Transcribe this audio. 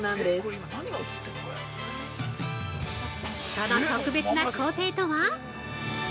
◆その特別な工程とは！？